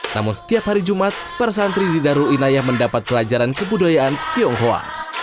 namun setiap hari jumat para santri di darul inayah mendapat pelajaran kebudayaan tionghoa